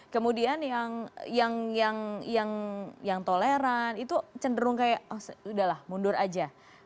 kemudian yang toleran itu cenderung kayak oh sudah lah mundur aja